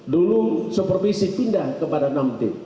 dulu supervisi pindah kepada enam tim